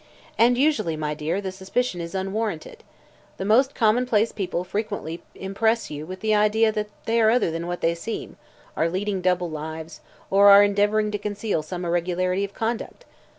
"And usually, my dear, the suspicion is unwarranted. The most commonplace people frequently impress you with the idea that they are other than what they seem, are leading double lives, or are endeavoring to conceal some irregularity of conduct.